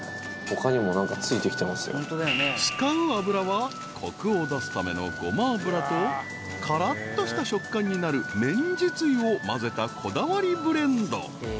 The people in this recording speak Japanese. ［使う油はコクを出すためのごま油とからっとした食感になる綿実油を混ぜたこだわりブレンド］